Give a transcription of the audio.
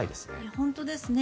本当ですね。